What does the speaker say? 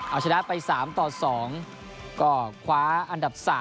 เอาชนะไป๓ต่อ๒ก็คว้าอันดับ๓